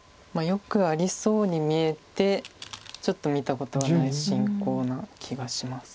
よくありそうに見えてちょっと見たことはない進行な気がします。